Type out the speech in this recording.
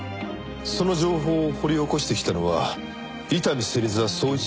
その情報を掘り起こしてきたのは伊丹芹沢捜一